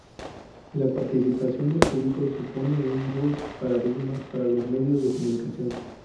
La participación del público supone un nuevo paradigma para los medios de comunicación.